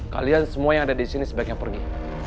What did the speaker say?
kalian semua yang ada di sini sebaiknya pergi